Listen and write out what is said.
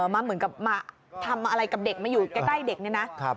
มาเหมือนกับมาทำอะไรกับเด็กมาอยู่ใกล้เด็กนี่นะ